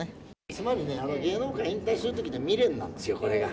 つまりね、芸能界引退するときって未練なんですよ、これが。